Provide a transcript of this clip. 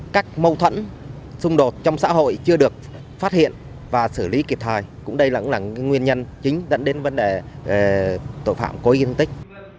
các mâu thuẫn xung đột trong xã hội chưa được phát hiện và xử lý kịp thời cũng đây là nguyên nhân chính dẫn đến vấn đề tội phạm cố ý gây thường tích